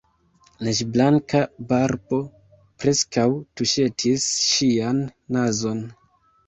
Neĝblanka barbo preskaŭ tuŝetis ŝian nazon.